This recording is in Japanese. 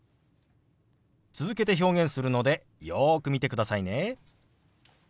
続けて表現するのでよく見てくださいね。